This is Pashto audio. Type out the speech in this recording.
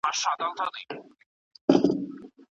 په راتلونکي کې به اسانتيا وي.